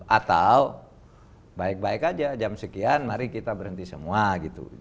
atau baik baik aja jam sekian mari kita berhenti semua gitu